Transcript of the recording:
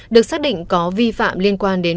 được xác định có vi phạm liên quan đến